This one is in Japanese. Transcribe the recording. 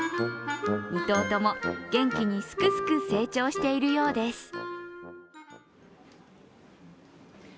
２頭とも元気にスクスク成長しているようです。